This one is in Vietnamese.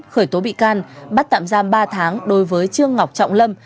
khởi tố bị can bắt tạm giam ba tháng đối với trương ngọc trọng lâm